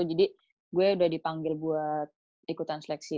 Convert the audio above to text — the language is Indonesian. jadi gue udah dipanggil buat ikutan seleksi